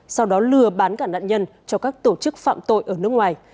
sau đó lừa bán cả nạn nhân cho các tổ chức phạm tội ở nước ngoài